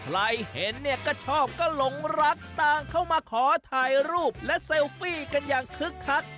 ใครเห็นเนี่ยก็ชอบก็หลงรักต่างเข้ามาขอถ่ายรูปและเซลฟี่กันอย่างคึกคัก